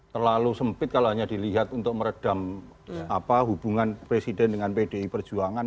terlalu sempit kalau hanya dilihat untuk meredam hubungan presiden dengan pdi perjuangan